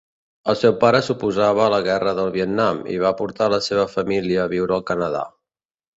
El seu pare s'oposava a la Guerra del Vietnam i va portar la seva família a viure al Canadà.